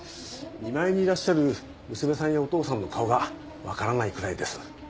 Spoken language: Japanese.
見舞いにいらっしゃる娘さんやお父さんの顔が分からないくらいです